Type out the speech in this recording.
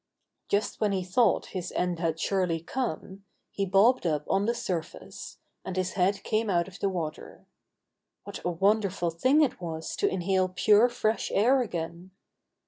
Just when he thought his end had surely come, he bobbed up on the surface, and his head came out of the water. What a wonder ful thing it was to inhale pure fresh air again!